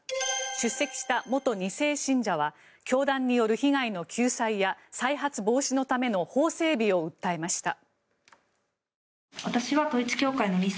出席した元２世信者は教団による被害の救済や再発防止のための法整備を訴えました。